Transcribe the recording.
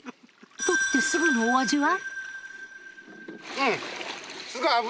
獲ってすぐのお味は？